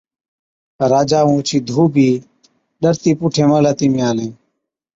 راجا ائُون اوڇِي ڌُو بِي ڏَرتِي پُوٺين محلاتِي ۾ آلين۔